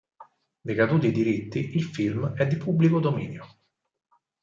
Decaduti i diritti, il film è di pubblico dominio.